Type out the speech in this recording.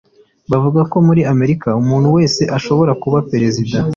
bavuga ko muri amerika umuntu wese ashobora kuba perezida